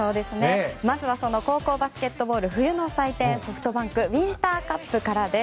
まずは高校バスケットボール冬の祭典ＳｏｆｔＢａｎｋウインターカップからです。